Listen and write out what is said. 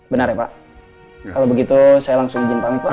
benar ya pak kalau begitu saya langsung izin pak miko